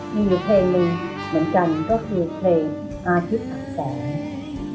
มีอยู่เพลงหนึ่งเหมือนกันก็คือเพลงอาทิตย์อักแสง